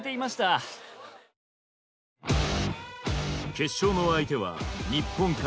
決勝の相手は日本かベトナム。